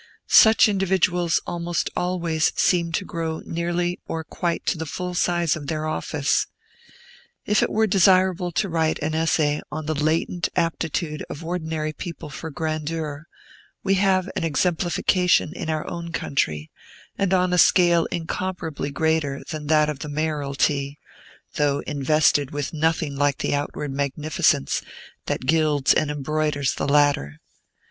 Such individuals almost always seem to grow nearly or quite to the full size of their office. If it were desirable to write an essay on the latent aptitude of ordinary people for grandeur, we have an exemplification in our own country, and on a scale incomparably greater than that of the Mayoralty, though invested with nothing like the outward magnificence that gilds and embroiders the latter.